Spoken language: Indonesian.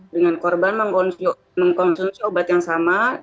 dengan korban mengkonsumsi obat yang sama